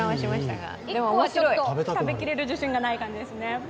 １個はちょっと食べきれる自信がない感じですね。